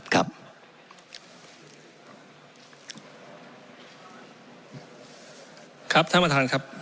ครับครับท่านประธานครับ